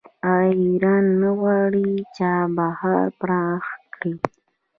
آیا ایران نه غواړي چابهار پراخ کړي؟